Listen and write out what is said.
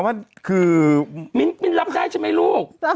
ว่ามินรับใจใช่ไหมลูก